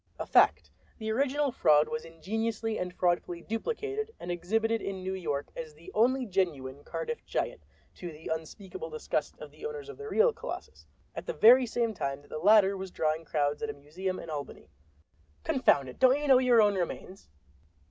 —[A fact. The original fraud was ingeniously and fraudfully duplicated, and exhibited in New York as the "only genuine" Cardiff Giant (to the unspeakable disgust of the owners of the real colossus) at the very same time that the latter was drawing crowds at a museum in Albany,]—Confound it, don't you know your own remains?"